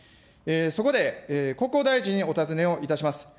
そこで、国交大臣にお尋ねをいたします。